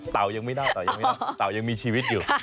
เตายังไม่น่าวเตายังมีชีวิตอยู่